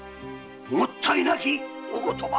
もったいなきお言葉！